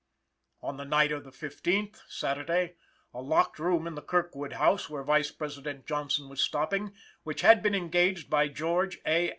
On the night of the fifteenth (Saturday) a locked room in the Kirkwood House, where Vice President Johnson was stopping, which had been engaged by George A.